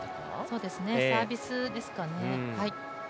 そうですね、サービスですかね。